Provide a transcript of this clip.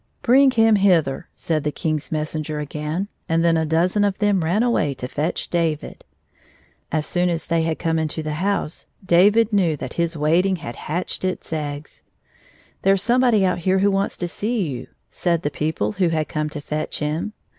" Bring him hither," said the King's messenger again, and then a dozen of them ran away to fetch David. " As soon as they had come into the house, David knew that his waiting had hatched its eggs. " There 's somehody out here who wants to see you," said the people who had come to fetch him.